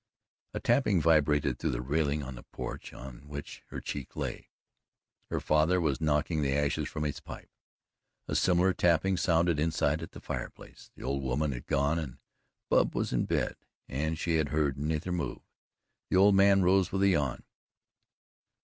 A tapping vibrated through the railing of the porch on which her cheek lay. Her father was knocking the ashes from his pipe. A similar tapping sounded inside at the fireplace. The old woman had gone and Bub was in bed, and she had heard neither move. The old man rose with a yawn.